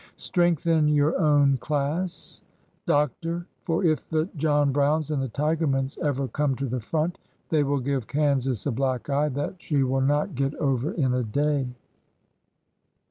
Strengthen your own class. Doctor ; for if the John Browns and the Tigermans ever come to the front, they will give Kansas a black eye that she will not get over in a day